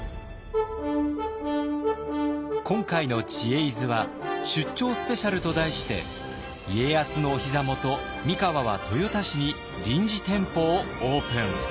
今回の「知恵泉」は「出張スペシャル」と題して家康のおひざもと三河は豊田市に臨時店舗をオープン。